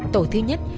tổ thứ nhất